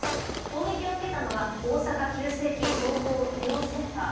攻撃を受けたのは大阪急性期・総合医療センター。